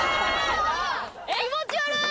気持ち悪い！